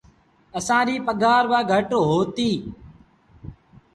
اسآݩ ريٚ پگھآر با گھٽ هوئيتيٚ۔